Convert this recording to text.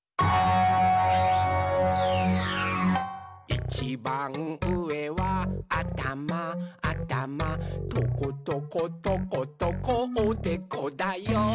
「いちばんうえはあたまあたまトコトコトコトコおでこだよ！」